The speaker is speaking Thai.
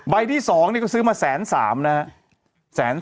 ใบที่สองนี่ก็ซื้อมา๑๓๐๐๐นะฮะ